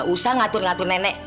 usah ngatur ngatur nenek